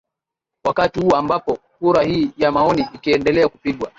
wakati huu ambapo kura hii ya maoni ikiendelea kupigwa